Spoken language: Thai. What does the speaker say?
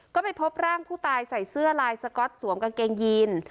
ก็ไปพบร่างผู้ตายใส่เสื้อลายสก๊อตสวมกางเกงยีน